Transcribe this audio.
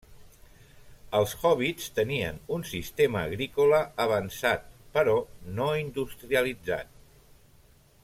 Els hòbbits tenien un sistema agrícola avançat, però no industrialitzat.